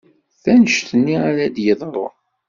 D annect-nni ara d-yeḍrun.